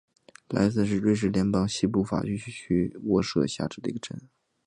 莱森是瑞士联邦西部法语区的沃州下设的一个镇。